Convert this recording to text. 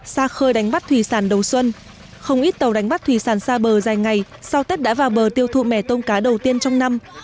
xa khơi đánh bắt thủy sản đầu xuân không ít tàu đánh bắt thủy sản xa bờ dài ngày sau tết đã vào bờ tiêu thụ mẻ tôm cá đầu tiên trong năm